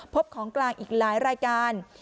พบของกลางอีกหลายรายการ